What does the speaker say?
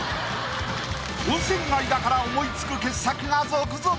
温泉街だから思い付く傑作が続々！